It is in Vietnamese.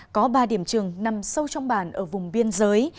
có ba điểm trường nằm sâu trong bản ở vùng biên giới